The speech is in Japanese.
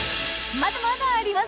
まだまだあります！